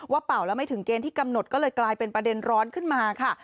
เป่าแล้วไม่ถึงเกณฑ์ที่กำหนดก็เลยกลายเป็นประเด็นร้อนขึ้นมาค่ะ